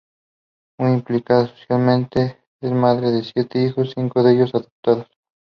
Muy implicada socialmente, es madre de siete hijos, cinco de ellos adoptados.